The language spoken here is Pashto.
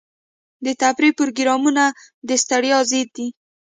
د تفریح پروګرامونه د ستړیا ضد دي.